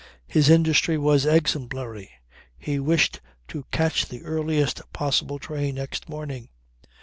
His industry was exemplary. He wished to catch the earliest possible train next morning.